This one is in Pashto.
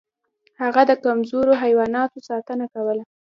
هغه د کمزورو حیواناتو ساتنه کوله.